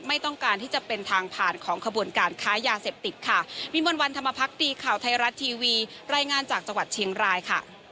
ไม่ต้องการที่จะเป็นทางผ่านของขบวนการค้ายยาเสพติดค่ะ